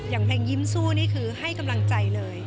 อย่างเพลงยิ้มสู้นี่คือให้กำลังใจเลย